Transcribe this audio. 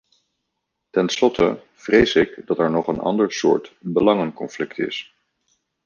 Ten slotte vrees ik dat er nog een ander soort belangenconflict is.